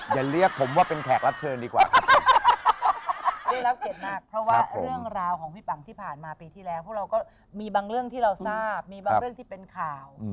มีบางเรื่องที่เราทราบมีบางเรื่องที่เป็นข่าว